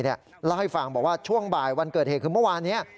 เล่าให้ฟังบอกว่าช่วงบ่ายวันเกิดเหตุคือเมื่อวานนี้